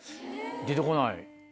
出て来ない？